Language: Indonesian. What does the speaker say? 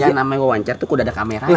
yang namanya wawancar tuh udah ada kameranya